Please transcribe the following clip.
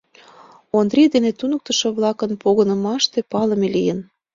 Ондрий дене туныктышо-влакын погынымаште палыме лийын.